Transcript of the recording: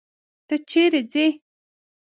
ته چيري ځې.